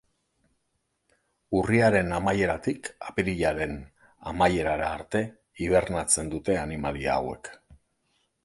Urriaren amaieratik apirilaren amaierara arte hibernatzen dute animalia hauek.